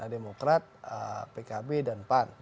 demokrat pkb dan pan